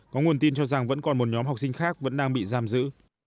có nguồn tin cho rằng vẫn còn một nhóm học sinh khác vẫn đang bị giam giữ